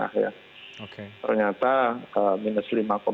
ternyata minus lima tiga puluh dua